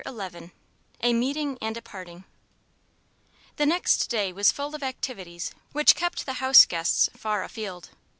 XI A MEETING AND A PARTING The next day was full of activities which kept the house guests far afield.